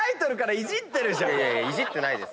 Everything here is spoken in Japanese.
いじってないです。